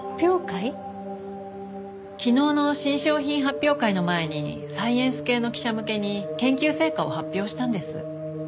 昨日の新商品発表会の前にサイエンス系の記者向けに研究成果を発表したんです。